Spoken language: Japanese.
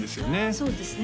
そうですね